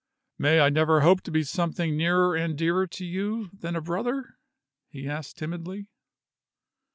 "May I never hope to be something nearer and dearer to you than a brother?" he asked timidly.